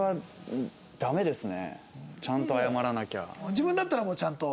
自分だったらもうちゃんと？